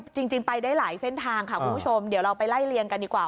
จริงไปได้หลายเส้นทางค่ะคุณผู้ชมเดี๋ยวเราไปไล่เลี่ยงกันดีกว่า